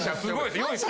すごい。